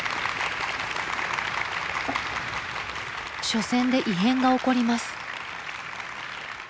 初戦で異変が起こります。